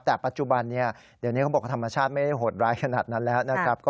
แต่ปัจจุบันนี้เดี๋ยวนี้เขาบอกว่าธรรมชาติไม่ได้โหดร้ายขนาดนั้นแล้วนะครับ